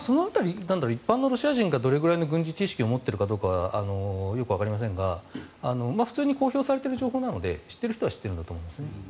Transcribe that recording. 一般のロシア人がどれぐらいの軍事知識を持っているかよくわかりませんが普通に公表されている情報なので知っている人は知っていると思います。